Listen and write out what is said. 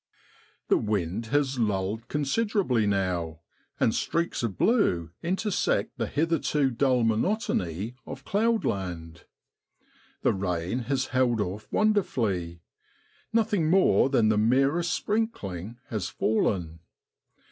The wind has lulled considerably now, and streaks of blue intersect the hitherto dull monotony of cloudland ; the rain has held off wonderfully; nothing more than the merest sprinkling has fallen.